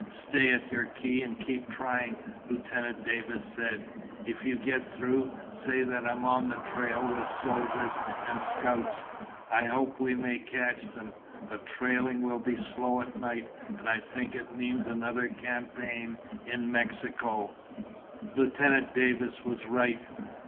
"Stay at your key and keep trying," Lieutenant Davis said. "If you get through, say that I'm on the trail with soldiers and scouts. I hope we may catch them, but trailing will be slow at night, and I think it means another campaign in Mexico." Lieutenant Davis was right.